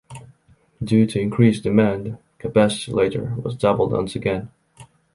Due to increased demand capacity later was doubled once again.